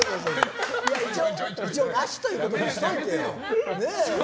一応なしということにしておいてよ。